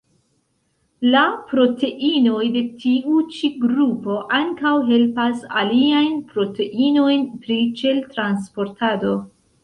La proteinoj de tiu ĉi grupo ankaŭ helpas aliajn proteinojn pri ĉel-transportado.